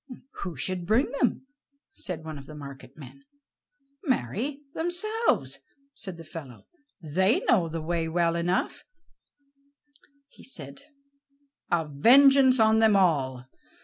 "Who should bring them?" said one of the market men. "Marry, themselves," said the fellow; "they know the way well enough." And then he said: "A vengeance on them all.